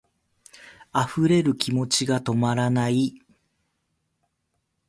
溢れる気持ちが止まらない